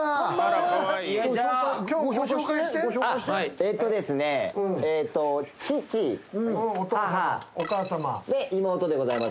えーっとですね、父、母、で、妹でございます。